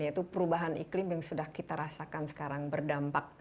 yaitu perubahan iklim yang sudah kita rasakan sekarang berdampak